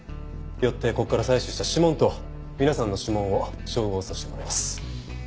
よってここから採取した指紋と皆さんの指紋を照合させてもらいます。